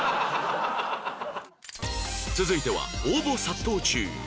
続いては応募殺到中！